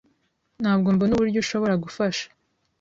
Ntabwo mbona uburyo ushobora gufasha.